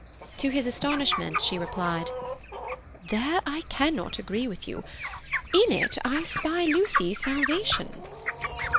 To his astonishment, she replied: "There I cannot agree with you. In it I spy Lucy's salvation."